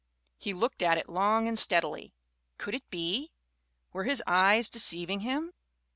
He looked at it long and steadily. Could it be? Were his eyes deceiving him?